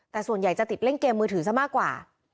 แต่ส่วนใหญ่จะติดเล่นเกมมือถือซะมากกว่า